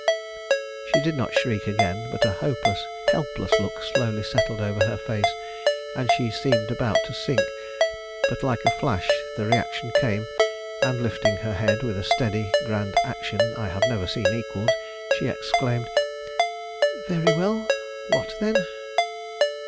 She did not shriek again, but a hopeless, helpless look slowly settled over her face, and she seemed about to sink; but like a flash the reaction came, and lifting her head with a steady, grand action I have never seen equalled, she exclaimed, "Very well, what then?"